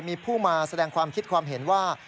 มีผู้มาแสดงความคิดความเห็นว่า